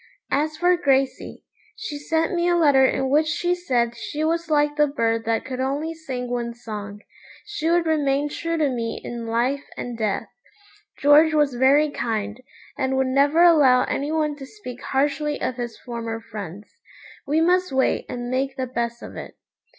As for Gracey, she sent me a letter in which she said she was like the bird that could only sing one song. She would remain true to me in life and death. George was very kind, and would never allow any one to speak harshly of his former friends. We must wait and make the best of it.